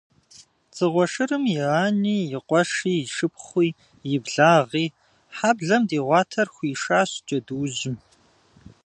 Дзыгъуэ шырым и ани, и къуэши, и шыпхъуи, и благъи, хьэблэм дигъуэтар хуишащ джэдуужьым.